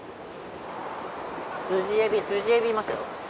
スジエビスジエビいましたよ。